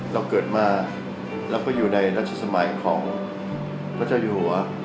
เราเกิดมาแล้วก็อยู่ในรัชสมัยของพระเจ้าอยู่หัว